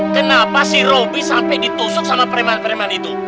kenapa sih robi sampai ditusuk sama pereman pereman itu